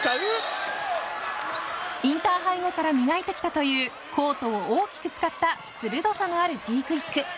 インターハイ後から磨いてきたというコートを大きく使った鋭さのあるＤクイック。